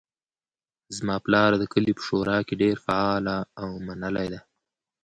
زما پلار د کلي په شورا کې ډیر فعال او منلی ده